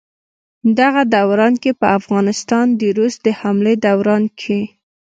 دغه دوران کښې په افغانستان د روس د حملې دوران کښې